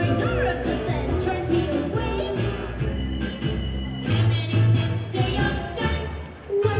พญาโดไม่กลัว